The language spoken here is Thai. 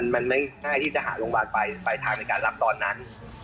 มันไม่ง่ายที่จะหาโรงพยาบาลปลายทางในการรับตอนนั้น